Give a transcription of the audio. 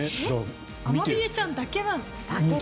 アマビエちゃんだけなの？